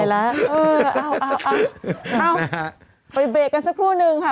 ไปเบรกกันสักครู่หนึ่งค่ะ